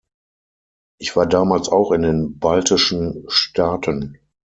Ich war damals auch in den baltischen Staaten.